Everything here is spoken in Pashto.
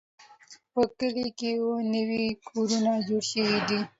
په کلي کې اووه نوي کورونه جوړ شوي دي.